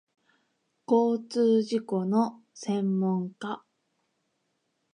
交通事故の専門家